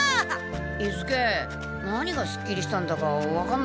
伊助何がすっきりしたんだか分かんないんだけど。